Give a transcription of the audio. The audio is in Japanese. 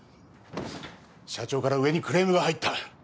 社長から上にクレームが入った。